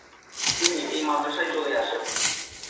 তিনি এই মাদ্রাসায় চলে আসেন।